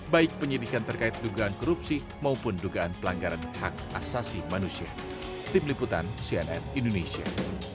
baik penyidikan terkait dugaan korupsi maupun dugaan pelanggaran hak asasi manusia